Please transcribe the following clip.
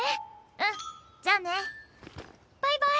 うんじゃあね。バイバイ！